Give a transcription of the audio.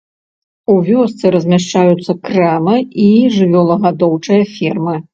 У вёсцы размяшчаюцца крама і жывёлагадоўчая ферма.